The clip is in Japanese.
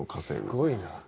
すごいな。